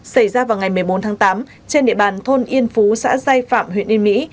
xảy ra vào ngày một mươi bốn tháng tám trên địa bàn thôn yên phú xã dây phạm huyện yên mỹ